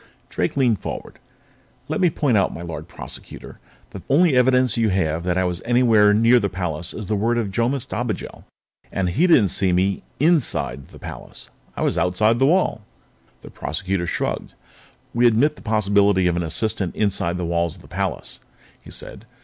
Drake leaned forward. "Let me point out, my Lord Prosecutor, that the only evidence you have that I was anywhere near the palace is the word of Jomis Dobigel. And he didn't see me inside the palace. I was outside the wall." The Prosecutor shrugged. "We admit the possibility of an assistant inside the walls of the palace," he said.